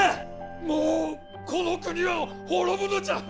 もうこの国は滅ぶのじゃ！